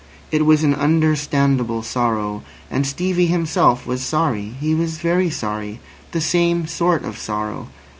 It was an understandable sorrow. And Stevie himself was sorry. He was very sorry. The same sort of sorrow.